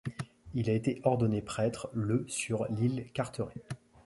Il a été ordonné prêtre le sur l'île Carteret.